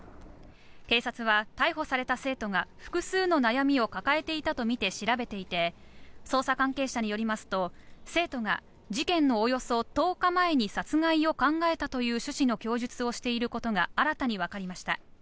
警察は逮捕された生徒が複数の悩みを抱えていたとみて調べていて、捜査関係者によりますと生徒が事件のおよそ１０日前に殺害を考えたという趣旨の供述をしていることが新たに分かりました。